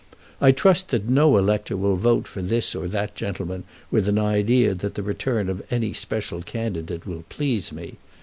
I trust that no elector will vote for this or that gentleman with an idea that the return of any special candidate will please me.